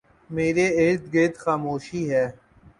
میرے اردگرد خاموشی ہے ۔